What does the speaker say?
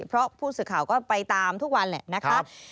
เพราะผู้สื่อข่าวก็ไปตามทุกวันแหละนะคะ